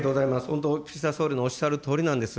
本当、岸田総理のおっしゃるとおりなんです。